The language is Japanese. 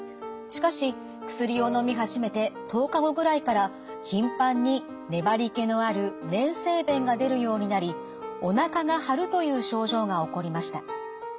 しかし薬をのみ始めて１０日後ぐらいから頻繁に粘りけのある粘性便が出るようになりおなかが張るという症状が起こりました。